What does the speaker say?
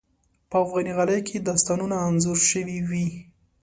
په افغاني غالۍ کې داستانونه انځور شوي وي.